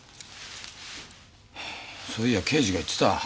そういや刑事が言ってた。